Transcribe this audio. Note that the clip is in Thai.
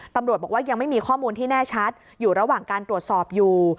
ตำรวจบอกว่ายังไม่มีข้อมูลที่แน่ชัดอยู่ระหว่างการตรวจสอบอยู่